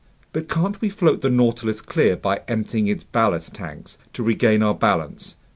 "But can't we float the Nautilus clear by emptying its ballast tanks, to regain our balance?"